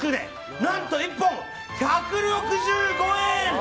何と１本１６５円！